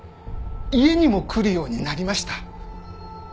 家にも来るようになりました。